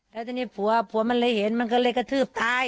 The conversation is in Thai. แล้วทีนี้ผัวผัวมันเลยเห็นมันก็เลยกระทืบตาย